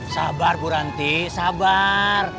sabar bu ranti sabar